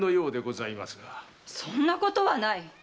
そんなことはない！